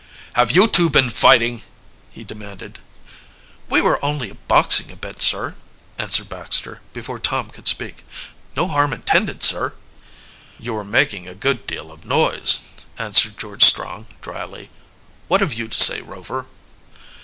"Have you two been fighting?" he demanded. "We were only boxing a bit, sir," answered Baxter, before Tom could speak. "No harm intended, sir." "You were making a good deal of noise," answered George Strong dryly. "What have you to say, Rover?"